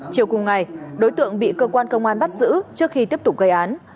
chiều cùng ngày đối tượng bị cơ quan công an bắt giữ trước khi tiếp tục gây án